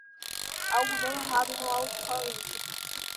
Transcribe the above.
Algo deu errado com o alto-falante.